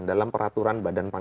dalam peraturan bpn